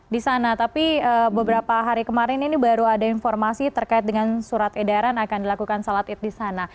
di sana tapi beberapa hari kemarin ini baru ada informasi terkait dengan surat edaran akan dilakukan salat id di sana